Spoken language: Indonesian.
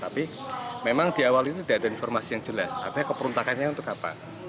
tapi memang di awal itu tidak ada informasi yang jelas artinya keperuntakannya untuk apa